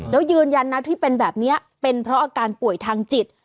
แล้วยืนยันนะที่เป็นแบบนี้เป็นเพราะอาการป่วยทางจิต